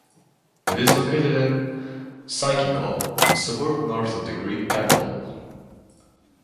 It is located in Psychico, a suburb north of the Greek capital.